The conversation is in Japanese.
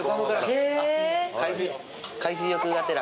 海水浴がてら？